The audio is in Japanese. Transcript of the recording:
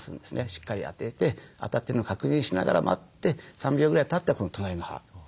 しっかり当てて当たってるのを確認しながら待って３秒ぐらいたって今度隣の歯。